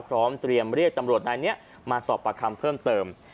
พร้อมเตรียมเรียกตำรวจนายนี้มาสอบประคำเพิ่มเติม